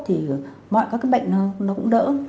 thì mọi các bệnh nó cũng đỡ